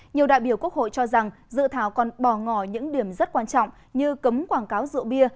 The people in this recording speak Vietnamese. nhiều đại biểu quốc hội cho rằng dự thảo còn bỏ ngỏ những điểm rất quan trọng như cấm quảng cáo rượu bia